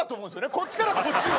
こっちからこっちは。